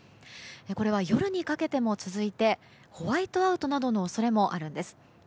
これは、夜にかけても続いてホワイトアウトなどの恐れもあるんです。